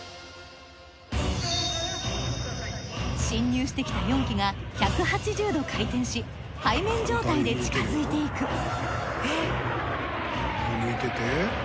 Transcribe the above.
進入してきた４機が１８０度回転し背面状態で近づいていく。